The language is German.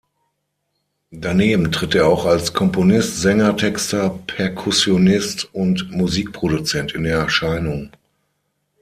Daneben tritt er auch als Komponist, Sänger, Texter, Perkussionist und Musikproduzent in Erscheinung.